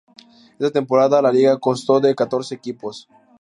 Esta temporada, la liga constó de catorce equipos.